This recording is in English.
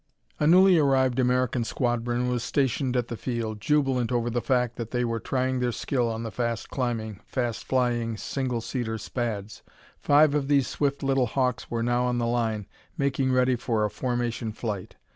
A newly arrived American squadron was stationed at the field, jubilant over the fact that they were trying their skill on the fast climbing, fast flying single seater Spads. Five of these swift little hawks were now on the line, making ready for a formation flight.